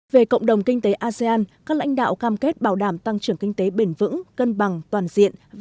về cộng đồng kinh tế asean các lãnh đạo cam kết bảo đảm tăng trưởng kinh tế bền vững